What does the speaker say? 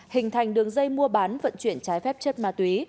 hình thành đường dây mua bán vận chuyển trái phép chất ma túy